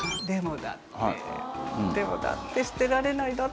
「でもだって捨てられない」。